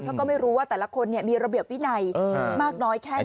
เพราะก็ไม่รู้ว่าแต่ละคนมีระเบียบวินัยมากน้อยแค่ไหน